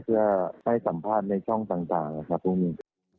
เพื่อให้สัมภาษณ์ในช่องสรรค์ต่างพรุ่งนี้